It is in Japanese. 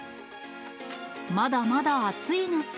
まだまだ暑い夏。